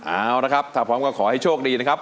เอาละครับถ้าพร้อมก็ขอให้โชคดีนะครับ